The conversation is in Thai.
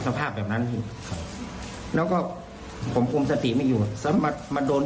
สภาพแบบนั้นจริงครับแล้วก็ผมคุมสติไม่อยู่สมัครมันโดน